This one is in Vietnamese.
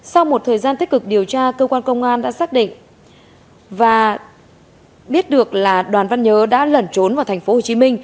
sau một thời gian tích cực điều tra cơ quan công an đã xác định và biết được là đoàn văn nhớ đã lẩn trốn vào tp hcm